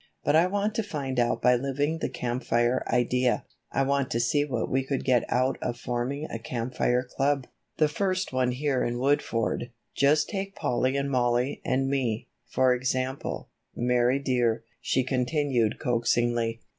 But I want to find out by living the Camp Fire idea, I want to see what we could get out of forming a Camp Fire Club, the first one here in Woodford. Just take Polly and Mollie and me, for example, Mary dear," she continued coaxingly.